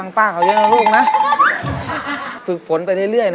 น้านอย่าให้ติดใจด้วยนะ